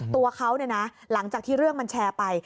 ตัวเขาเนี่ยนะหลังจากที่เรื่องมันแชร์ไป